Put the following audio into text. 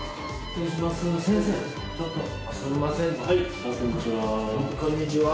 こんにちは。